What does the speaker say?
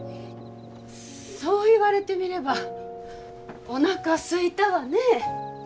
そう言われてみればおなかすいたわね。